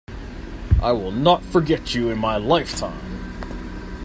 I will not forget you in my lifetime!